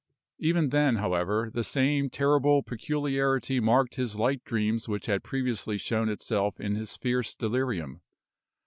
Even then, however, the same terrible peculiarity marked his light dreams which had previously shown itself in his fierce delirium.